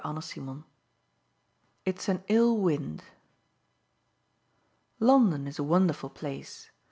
CHAPTER VIII IT'S AN ILL WIND LONDON is a wonderful place.